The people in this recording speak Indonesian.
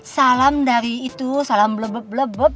salam dari itu salam blebep blebep